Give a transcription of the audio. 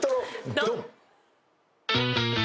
ドン！